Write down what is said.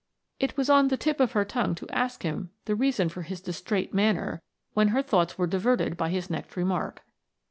It was on the tip of her tongue to ask him the reason for his distrait manner when her thoughts were diverted by his next remark.